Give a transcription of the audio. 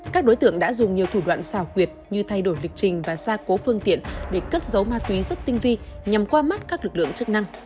các đối tượng đã dùng nhiều thủ đoạn xào quyệt như thay đổi lịch trình và gia cố phương tiện để cất giấu ma túy rất tinh vi nhằm qua mắt các lực lượng chức năng